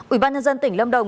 ủy ban nhân dân tỉnh lâm đồng